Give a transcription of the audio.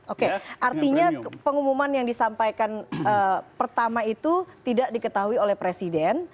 oke artinya pengumuman yang disampaikan pertama itu tidak diketahui oleh presiden